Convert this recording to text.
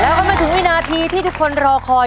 แล้วก็มาถึงวินาทีที่ทุกคนรอคอย